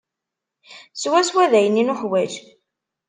Swaswa d ayen i nuḥwaǧ.